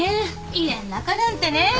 家ん中なんてね。